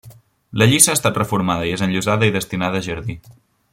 La lliça ha estat reformada i és enllosada i destinada a jardí.